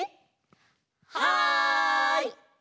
はい！